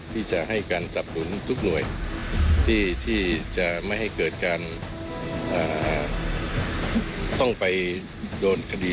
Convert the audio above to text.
ที่จะให้การสับหนุนทุกหน่วยที่จะไม่ให้เกิดการต้องไปโดนคดี